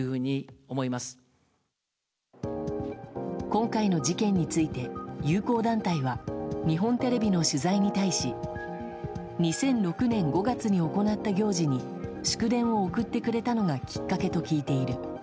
今回の事件について友好団体は日本テレビの取材に対し２００６年５月に行った行事に祝電を送ってくれたのがきっかけと聞いている。